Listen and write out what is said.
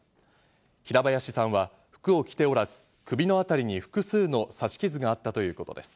平林さんは服を着ておらず、首の辺りに複数の刺し傷があったということです。